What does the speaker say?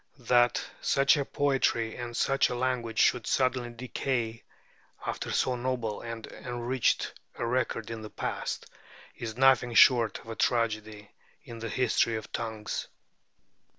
That such a poetry and such a language should suddenly decay after so noble and enriched a record in the past, is nothing short of a tragedy in the history of tongues.